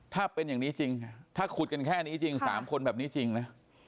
ถ้าเป็นอย่างนี้จริงถ้าขุดกันแค่นี้จริง๓คนแบบนี้จริงนะ